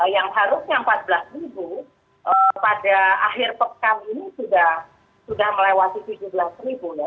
yang harusnya rp empat belas pada akhir pekan ini sudah melewati rp tujuh belas ya